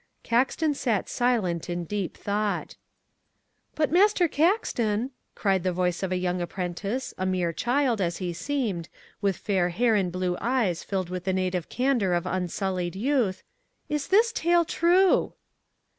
Caxton sat silent in deep thought. "But Master Caxton" cried the voice of a young apprentice, a mere child, as he seemed, with fair hair and blue eyes filled with the native candour of unsullied youth, "is this tale true!"